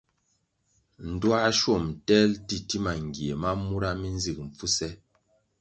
Ndtuāschwom tel titima ngie ma mura mi nzig mpfuse.